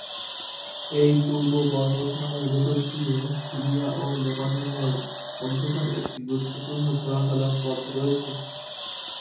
এই পূর্ব পর্বতমালার ভেতর দিয়ে সিরিয়া ও লেবাননের মধ্যকার একটি গুরুত্বপূর্ণ চোরাচালানের পথ রয়েছে।